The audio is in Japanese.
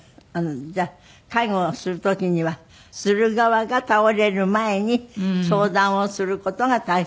じゃあ介護をする時にはする側が倒れる前に相談をする事が大切？